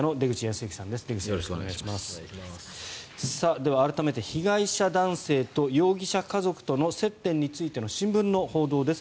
では、改めて被害者男性と容疑者家族との接点についての新聞の報道です。